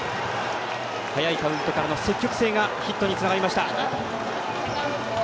早いカウントからの積極性がヒットにつながりました。